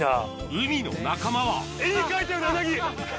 海の仲間は絵に描いたようなウナギ！